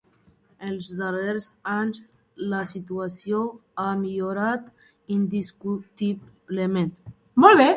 Els darrers anys la situació ha millorat indiscutiblement.